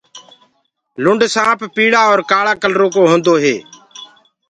لُنڊ سآنپ پيݪآ اور ڪآۯآ ڪلرو ڪو هوندو هي۔